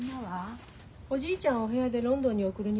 おじいちゃんはお部屋でロンドンに送る荷物作ってる。